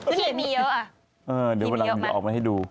เขียนมีเยอะอ่ะเขียนมีเยอะมั้ยเออเดี๋ยวมดดำจะออกมาให้ดู